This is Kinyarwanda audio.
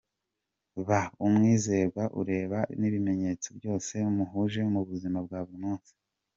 Ba umwizerwa, ureba n’ibimenyetso byose muhuje mu buzima bwa buri munsi.